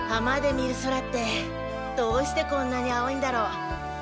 見る空ってどうしてこんなに青いんだろう。